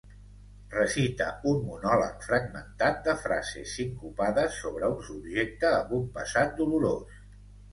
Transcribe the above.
Recita un monòleg fragmentat de frases sincopades sobre un subjecte amb un passat dolorós.